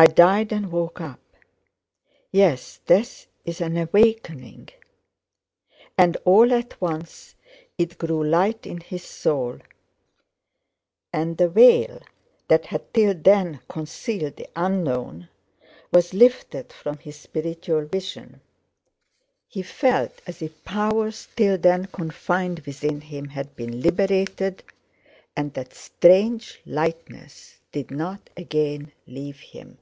I died—and woke up. Yes, death is an awakening!" And all at once it grew light in his soul and the veil that had till then concealed the unknown was lifted from his spiritual vision. He felt as if powers till then confined within him had been liberated, and that strange lightness did not again leave him.